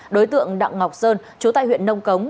đối tượng đặng ngọc sơn trú tại huyện nông cống